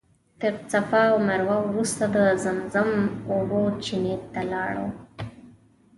تر صفا او مروه وروسته د زمزم اوبو چینې ته لاړم.